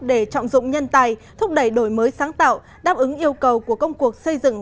để trọng dụng nhân tài thúc đẩy đổi mới sáng tạo đáp ứng yêu cầu của công cuộc xây dựng